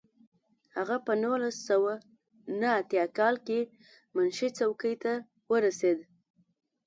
هغه په نولس سوه نهه اتیا کال کې منشي څوکۍ ته ورسېد.